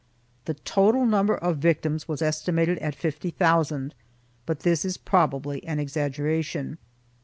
The total number of victims was estimated at fifty thousand, but this is probably an exaggeration.